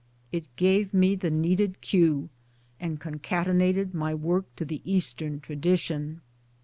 It gave me the needed cue, and concatenated my work to the Eastern tradition.